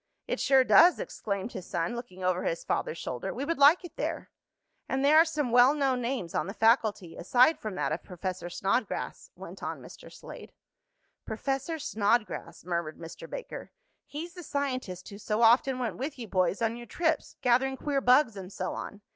"It sure does!" exclaimed his son, looking over his father's shoulder. "We would like it there." "And there are some well known names on the faculty, aside from that of Professor Snodgrass," went on Mr. Slade. "Professor Snodgrass," murmured Mr. Baker. "He's the scientist who so often went with you boys on your trips, gathering queer bugs and so on."